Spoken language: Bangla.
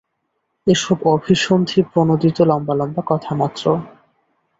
এ সব অভিসন্ধি-প্রণোদিত লম্বা লম্বা কথামাত্র।